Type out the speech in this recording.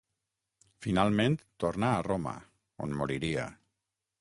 Finalment tornà a Roma on moriria.